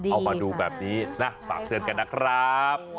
เอามาดูแบบนี้นะฝากเตือนกันนะครับ